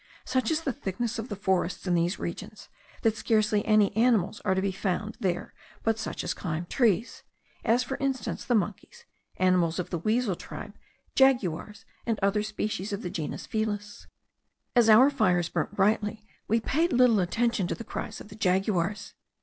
Such is the thickness of the forests in these regions, that scarcely any animals are to be found there but such as climb trees; as, for instance, the monkeys, animals of the weasel tribe, jaguars, and other species of the genus Felis. As our fires burnt brightly, we paid little attention to the cries of the jaguars.